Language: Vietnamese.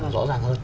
rõ ràng hơn